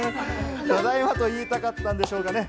ただいまと言いたかったんでしょうかね？